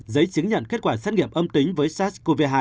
giấy chứng nhận kết quả xét nghiệm âm tính với sars cov hai